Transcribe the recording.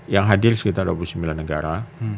yang hadir sekitar dua puluh sembilan negara